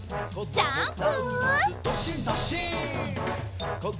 ジャンプ！